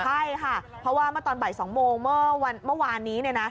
ใช่ค่ะเพราะว่าเมื่อตอนบ่าย๒โมงเมื่อวานนี้